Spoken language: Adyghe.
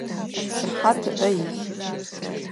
Сыхьат ыӏэ илъ.